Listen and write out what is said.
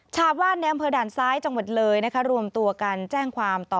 ชาวบ้านในอำเภอด่านซ้ายจังหวัดเลยนะคะรวมตัวกันแจ้งความต่อ